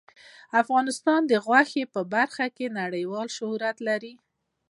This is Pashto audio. افغانستان د غوښې په برخه کې نړیوال شهرت لري.